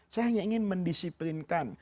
saya hanya ingin mendisiplinkan